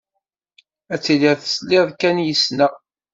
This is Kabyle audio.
Ad tiliḍ tesliḍ kan yes-sneɣ.